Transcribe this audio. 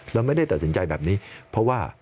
เราไม่ได้ตัดสินใจแบบนี้เพราะว่า